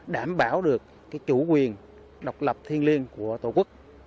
đảm bảo được chủ quyền độc lập thiên liêng của tổ quốc